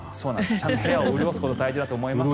ちゃんと部屋を潤すことが大事です。